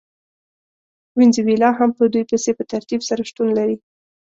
وینزویلا هم په دوی پسې په ترتیب سره شتون لري.